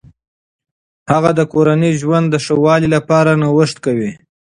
هغه د کورني ژوند د ښه والي لپاره نوښت کوي.